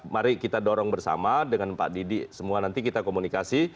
mari kita dorong bersama dengan pak didi semua nanti kita komunikasi